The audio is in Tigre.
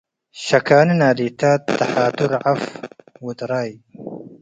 ሸካኒ ናሊታት ተሓቱ ረዐፍ ወጥራይ